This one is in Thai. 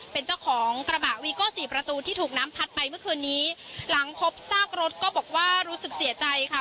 เป็นเจ้าของกระบะวีโก้สี่ประตูที่ถูกน้ำพัดไปเมื่อคืนนี้หลังพบซากรถก็บอกว่ารู้สึกเสียใจค่ะ